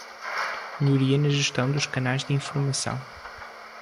Melhoria na gestão dos canais de informação.